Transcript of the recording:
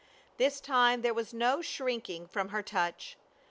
This time there was no shrinking from her touch.